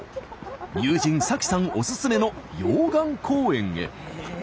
友人早紀さんおすすめの溶岩公園へ。